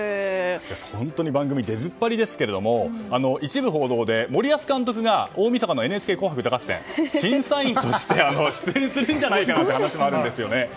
本当に番組に出ずっぱりですけれども一部報道で森保監督が大みそかの「ＮＨＫ紅白歌合戦」審査員として出演するんじゃないかという話もあるんですよね。